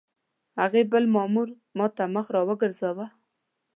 هغه بل مامور ما ته مخ را وګرځاوه.